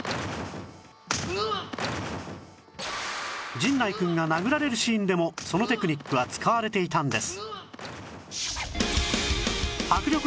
陣内くんが殴られるシーンでもそのテクニックは使われていたんです